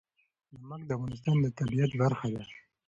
نمک د افغانستان د طبیعت برخه ده.